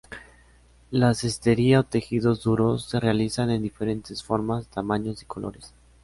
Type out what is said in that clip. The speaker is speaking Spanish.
La cestería o tejidos duros: se realizan en diferentes formas, tamaños y colores.